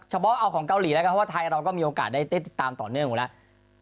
เอาของเกาหลีแล้วกันเพราะว่าไทยเราก็มีโอกาสได้เต้นติดตามต่อเนื่องอยู่แล้ว